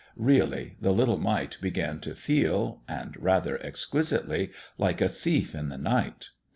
Really, the little mite began to feel and rather exquisitely like a thief in the night.